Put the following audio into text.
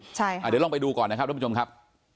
เดี๋ยวลองไปดูก่อนนะครับทุกผู้ชมครับ